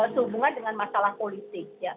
sehubungan dengan masalah politik